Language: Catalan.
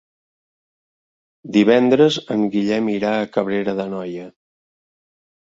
Divendres en Guillem irà a Cabrera d'Anoia.